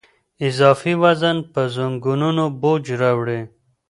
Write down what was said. اضافي وزن په زنګونونو بوج راوړي.